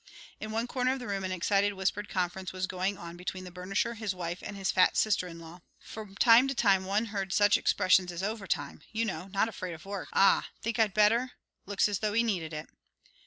In one corner of the room an excited whispered conference was going on between the burnisher, his wife, and his fat sister in law. From time to time one heard such expressions as "Overtime, you know not afraid of work ah! think I'd better, looks as though he needed it."